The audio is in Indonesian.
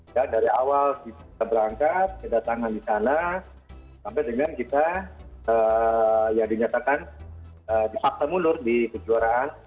ya dari awal kita berangkat kedatangan di sana sampai dengan kita ya dinyatakan dipaksa mundur di kejuaraan